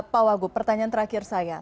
pak wagub pertanyaan terakhir saya